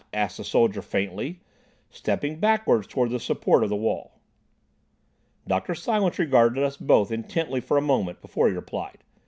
asked the soldier faintly, stepping backwards towards the support of the wall. Dr. Silence regarded us both intently for a moment before he replied.